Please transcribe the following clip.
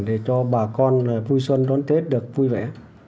để cho bà con vui xuân đón tết được vui vẻ